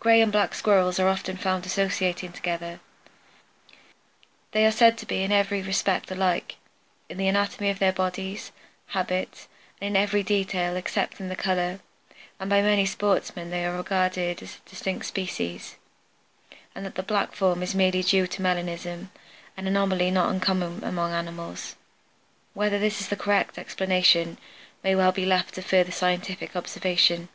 Gray and black Squirrels are often found associating together. They are said to be in every respect alike, in the anatomy of their bodies, habits, and in every detail excepting the color, and by many sportsmen they are regarded as distinct species, and that the black form is merely due to melanism, an anomaly not uncommon among animals. Whether this be the correct explanation may well be left to further scientific observation.